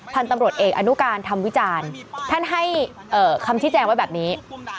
พันธุ์ตำรวจเอกอนุการทำวิจารณ์ท่านให้คำชี้แจงไว้แบบนี้